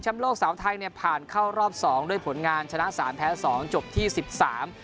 โลกสาวไทยเนี่ยผ่านเข้ารอบสองด้วยผลงานชนะสามแพ้สองจบที่สิบสาม